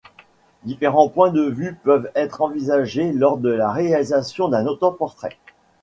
Différents points de vue peuvent être envisagés lors de la réalisation d'un autoportrait.